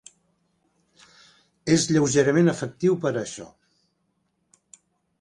És lleugerament efectiu per a això.